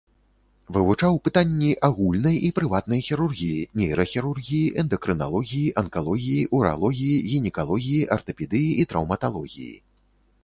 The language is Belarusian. Вывучаў пытанні агульнай і прыватнай хірургіі, нейрахірургіі, эндакрыналогіі, анкалогіі, уралогіі, гінекалогіі, артапедыі і траўматалогіі.